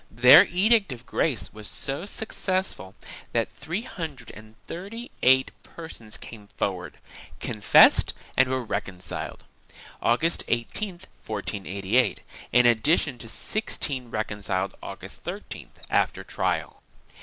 2 Their Edict of Grace was so successful that three hundred and thirty eight persons came forward, confessed and were reconciled, August 18, 1488, in addition to sixteen reconciled, August 13th, after trial.